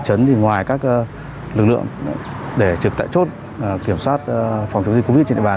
công an thị trấn thì ngoài các lực lượng để trực tại chốt kiểm soát phòng chống dịch covid trên địa bàn